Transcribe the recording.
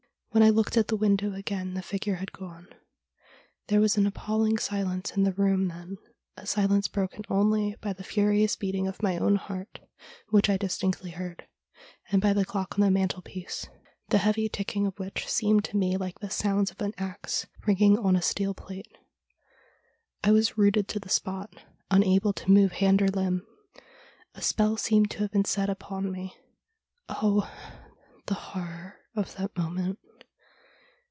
' When I looked at the window again the figure had gone. ' There was an appalling silence in the room then — a silence broken only by the furious beating of my own heart, which I distinctly heard, and by the clock on the mantelpiece, the heavy ticking of which seemed to me like the sounds of an axe ringing on a steel plate. I was rooted to the spot, unable to move hand or limb. A spell seemed to have been set upon me. Oh! the horror of that moment!